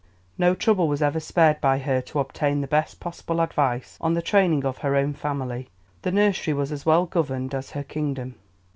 No trouble was ever spared by her to obtain the best possible advice on the training of her own family. The nursery was as well governed as her kingdom.